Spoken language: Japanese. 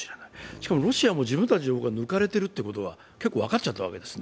しかも、ロシアも自分たちが抜かれているということは結構分かっちゃったわけです。